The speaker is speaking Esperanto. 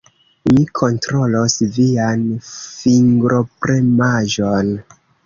Mi kontrolos vian fingropremaĵon.